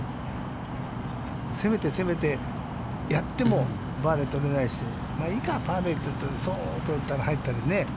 攻めて攻めてやってもバーディーを取れないし、いいか、パーで、というと、そうっと打ったら、入ったりね。